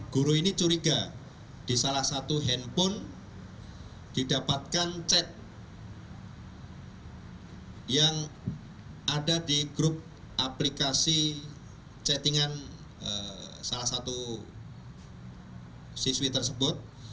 guru ini curiga di salah satu handphone didapatkan chat yang ada di grup aplikasi chatting an salah satu siswi tersebut